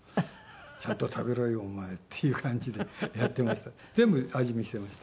ちゃんと食べろよお前っていう感じでやっていました。